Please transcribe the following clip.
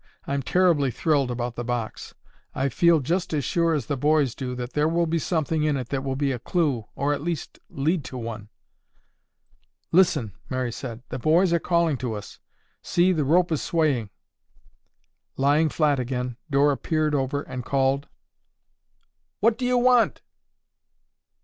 I'm terribly thrilled about the box. I feel just as sure as the boys do that there will be something in it that will be a clue, or at least, lead to one." "Listen," Mary said. "The boys are calling to us. See, the rope is swaying." Lying flat again, Dora peered over and called, "What do you want?"